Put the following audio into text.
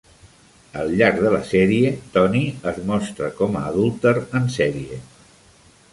Al llarg de la sèrie Tony es mostra com a adúlter en sèrie.